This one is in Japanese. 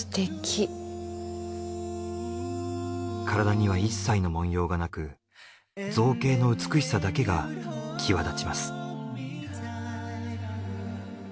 体には一切の文様がなく造形の美しさだけが際立ちます。